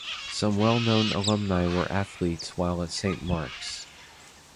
Some well-known alumni were athletes while at Saint Mark's.